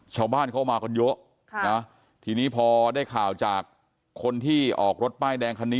ชาวบ้านเข้ามากันเยอะทีนี้พอได้ข่าวจากคนที่ออกรถป้ายแดงคันนี้